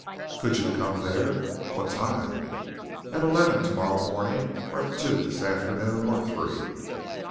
"Could you come there?" "What time?" "At eleven tomorrow morning or two this afternoon or three."